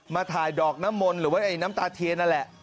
ถ่ายดอกน้ำมนต์หรือว่าไอ้น้ำตาเทียนนั่นแหละ